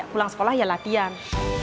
pulang sekolah ya latihan